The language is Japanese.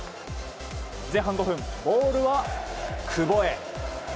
前半５分、ボールは久保へ。